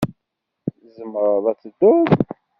Tzemreḍ ad tedduḍ?